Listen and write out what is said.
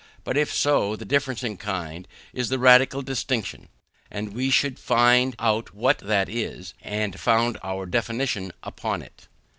But if so, the difference in kind is the radical distinction, and we should find out what that is, and found our definition upon it.